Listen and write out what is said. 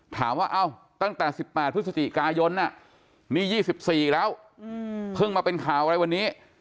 ถามว่าตั้งแต่๑๘พฤศจิกายนนี่๒๔แล้วเพิ่งมาเป็นข่าวอะไรวันนี้